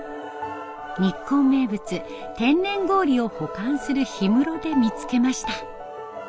日光名物天然氷を保管する氷室で見つけました。